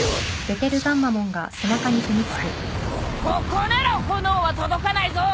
ここなら炎は届かないぞ！